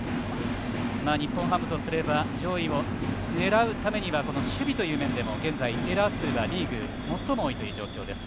日本ハムとすれば上位を狙うためには守備という面でもエラー数がリーグ最も多いという状況です。